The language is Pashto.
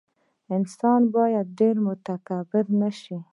انسان باید ډېر متکبر نه شي.